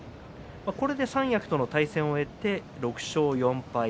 これで三役との対戦を終えて６勝４敗。